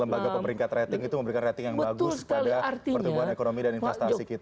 lembaga pemeringkat rating itu memberikan rating yang bagus pada pertumbuhan ekonomi dan investasi kita